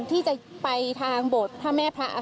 ที่จะไปทางโบสถ์พระแม่พระ